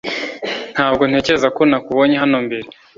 Ntabwo ntekereza ko nakubonye hano mbere